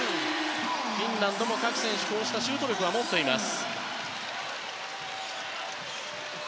フィンランドも各選手シュート力を持っています。